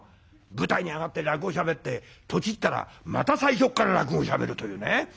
舞台に上がって落語しゃべってとちったらまた最初っから落語しゃべるというね。